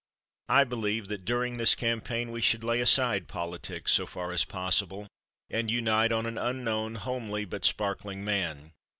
I believe that during this campaign we should lay aside politics so far as possible and unite on an unknown, homely, but sparkling man.